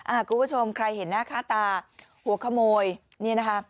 คุณผู้ชมใครเห็นหน้าค่าตาหัวขโมยนี่นะคะ